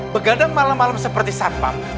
begadang malam malam seperti satpam